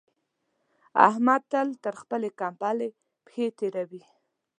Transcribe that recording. احمد تل تر خپلې کمبلې پښې تېروي.